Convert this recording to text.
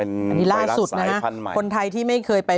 อันนี้ล่าสุดนะฮะคนไทยที่ไม่เคยไป